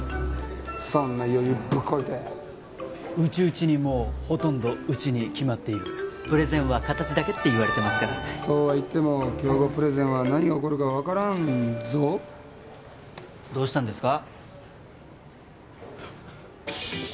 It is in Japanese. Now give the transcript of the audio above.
そんな余裕ぶっこいて内々にもうほとんどうちに決まっているプレゼンは形だけって言われてますからそうは言っても競合プレゼンは何が起こるか分からんぞどうしたんですか？